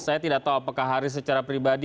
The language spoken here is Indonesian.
saya tidak tahu apakah haris secara pribadi